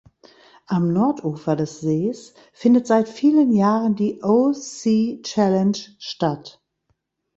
Am Nordufer des Sees findet seit vielen Jahren die O-See-Challenge statt.